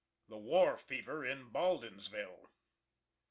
THE WAR FEVER IN BALDINSVILLE.